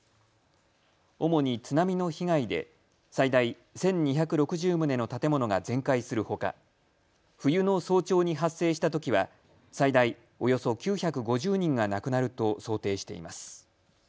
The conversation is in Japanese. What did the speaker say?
主に津波の被害で最大１２６０棟の建物が全壊するほか冬の早朝に発生したときは最大およそ９５０人が亡くなると想定しています。